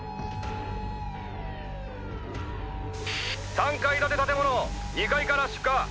３階建て建物２階から出火。